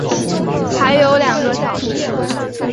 还有两个小时